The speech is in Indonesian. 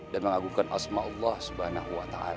dan mengagumkan asma allah subhanahu wa ta'ala